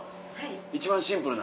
一番シンプルな。